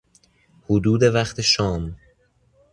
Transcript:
حدود وقت شام